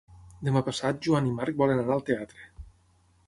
Demà passat en Joan i en Marc volen anar al teatre.